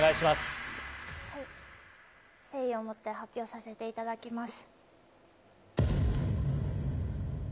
誠意をもって発表させていただきます。